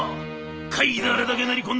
会議であれだけ練り込んだ